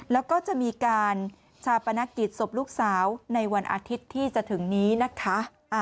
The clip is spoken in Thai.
แล้วก็จะมีการชาปนกิจศพลูกสาวในวันอาทิตย์ที่จะถึงนี้นะคะ